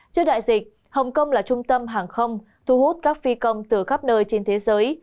trước đại dịch hồng kông là trung tâm hàng không thu hút các phi công từ khắp nơi trên thế giới